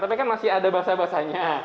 tapi kan masih ada basah basahnya